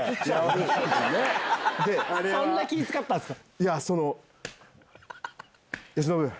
そんな気ぃ使ったんすか？